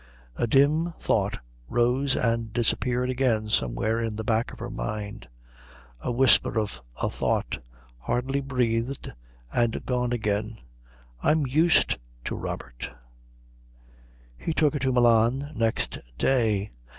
A dim thought rose and disappeared again somewhere in the back of her mind, a whisper of a thought, hardly breathed and gone again "I'm used to Robert." He took her to Milan next day.